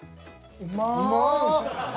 うまい。